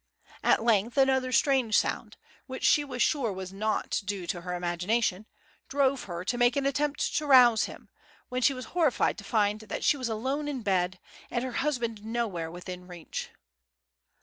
At length another strange sound, which she was sure was not due to her imagination, drove her to make an attempt to rouse him, when she was horrified to find that she was alone in bed, and her husband nowhere within reach.